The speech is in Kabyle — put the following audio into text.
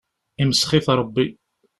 Imsex-it Ṛebbi.